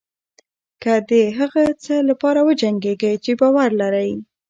که د هغه څه لپاره وجنګېږئ چې باور لرئ.